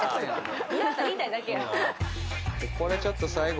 これちょっと最後。